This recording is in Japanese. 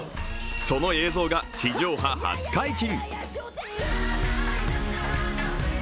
その映像が、地上波初解禁。